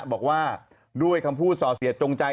บอกว่าด้วยคำพูดส่อเสียจงใจ